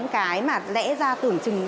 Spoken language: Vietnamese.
cái mà lẽ ra tưởng chứng